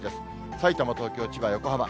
さいたま、東京、千葉、横浜。